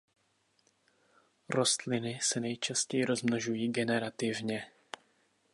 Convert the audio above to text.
Rostliny se nejčastěji rozmnožují generativně.